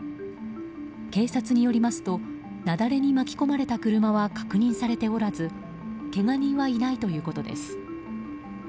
警察によりますと雪崩に巻き込まれた車は確認されておらずけが人はいないということです。